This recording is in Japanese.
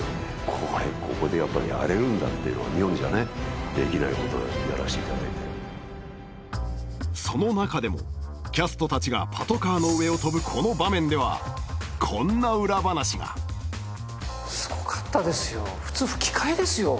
これここでやっぱやれるんだっていうのは日本じゃねできないことをやらせていただいてその中でもキャスト達がパトカーの上をとぶこの場面ではこんな裏話がすごかったですよ